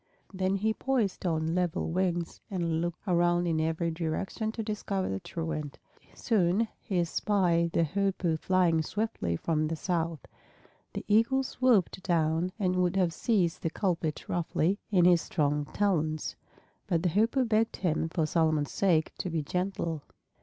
Then he poised on level wings and looked around in every direction to discover the truant. Soon he espied the Hoopoe flying swiftly from the south. The Eagle swooped down and would have seized the culprit roughly in his strong talons, but the Hoopoe begged him for Solomon's sake to be gentle.